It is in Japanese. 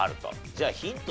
じゃあヒント